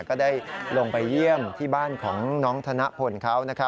ก็ได้ลงไปเยี่ยมที่บ้านของน้องธนพลเขา